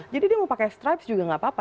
jadi dia mau pakai stripes juga nggak apa apa